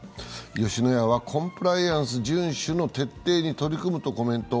吉野家はコンプライアンス順守の徹底に取り組むとコメント。